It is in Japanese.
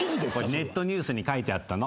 ネットニュースに書いてあったの。